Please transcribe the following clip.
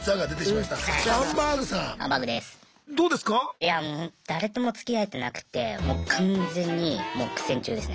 いやもう誰ともつきあえてなくてもう完全にもう苦戦中ですね。